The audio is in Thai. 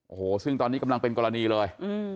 โอ้โหซึ่งตอนนี้กำลังเป็นกรณีเลย